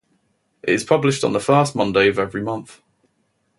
It is published on the first Monday of every month.